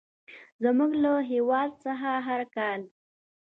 زموږ له هېواد څخه هر کال.